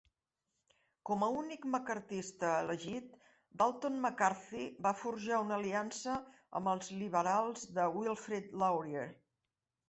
Com a únic maccarthista elegit, Dalton McCarthy va forjar una aliança amb els liberals de Wilfrid Laurier.